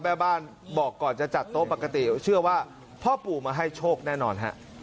แม่บ้านบอกก่อนจะจัดโต๊ะปกติเชื่อว่าพ่อปู่มาให้โชคแน่นอนฮะ